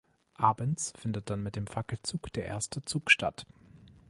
Abends findet dann mit dem Fackelzug der erste Zug statt.